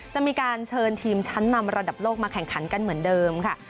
จะมีการเชิญทีมชั้นนำระดับโลกมาแข่งขันกันเหมือนเดิมค่ะ